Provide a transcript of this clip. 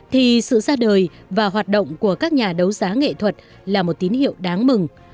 thì sự ra đời và hoạt động của các nhà đấu giá nghệ thuật là một tín hiệu đáng mừng